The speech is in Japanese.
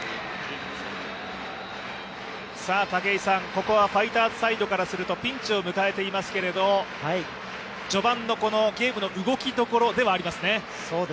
ここはファイターズサイドからするとピンチを迎えていますけれども、序盤の動きどころではありますね。